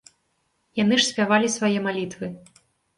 Яны ж спявалі свае малітвы.